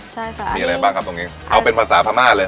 ใช่ค่ะมีอะไรบ้างครับตรงนี้เอาเป็นภาษาพม่าเลย